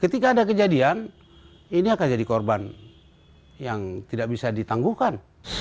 ketika ada kejadian ini akan jadi korban yang tidak bisa ditangguhkan